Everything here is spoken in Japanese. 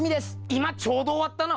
今ちょうど終わったな！